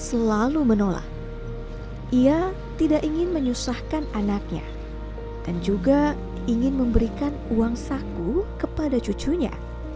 selalu menolak ia tidak ingin menyusahkan anaknya dan juga ingin memberikan uang saku kepada cucunya